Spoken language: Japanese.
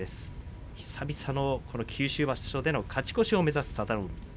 久々の九州場所での勝ち越しを目指す佐田の海です。